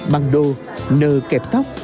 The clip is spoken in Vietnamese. bằng đô nơ kẹp tóc